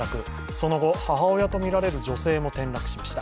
その後、母親とみられる女性も転落しました。